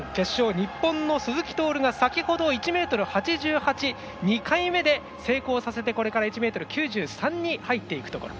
日本の鈴木徹が先ほど１ｍ８８を２回目で成功させてこれから１ｍ９３に入っていくところ。